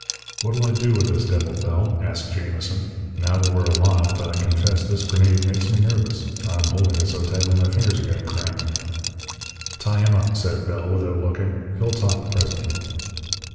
"What'll I do with this devil, Bell?" asked Jamison. "Now that we're aloft, I confess this grenade makes me nervous. I'm holding it so tightly my fingers are getting cramped." "Tie him up," said Bell, without looking. "He'll talk presently."